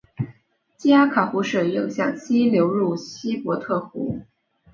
基阿卡湖水又向西流入亚伯特湖。